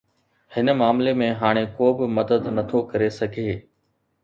هن معاملي ۾ هاڻي ڪو به مدد نه ٿو ڪري سگهي